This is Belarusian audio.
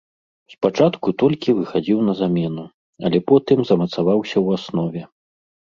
Спачатку толькі выхадзіў на замену, але потым замацаваўся ў аснове.